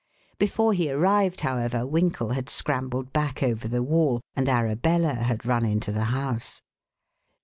Before he arrived, however, Winkle had scrambled back over the wall and Arabella had run into the house.